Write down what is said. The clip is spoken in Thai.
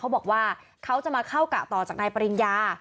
บอกว่าเขาจะมาเข้ากะต่อจากนายปริญญา